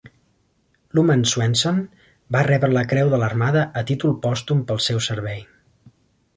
Luman Swenson va rebre la Creu de l'Armada a títol pòstum pel seu servei.